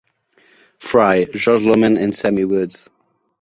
Fry, George Lohmann and Sammy Woods.